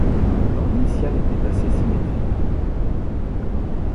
Le plan initial était assez symétrique.